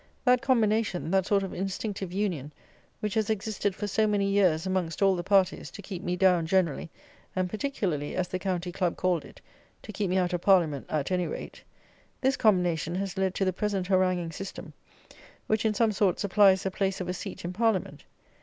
That combination, that sort of instinctive union, which has existed for so many years, amongst all the parties, to keep me down generally, and particularly, as the County Club called it, to keep me out of Parliament "at any rate," this combination has led to the present haranguing system, which, in some sort, supplies the place of a seat in Parliament.